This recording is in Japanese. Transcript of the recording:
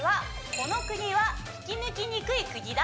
この釘はひきぬきにくい釘だ